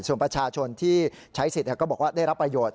ส่วนประชาชนที่ใช้สิทธิ์ก็บอกว่าได้รับประโยชน